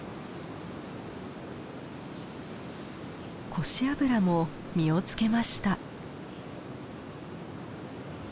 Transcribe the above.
コシアブラも実を付けました。